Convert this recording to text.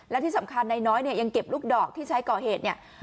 และที่สำคัญนายน้อยเนี่ยยังเก็บลูกดอกที่ใช้ก่อเหตุเนี่ย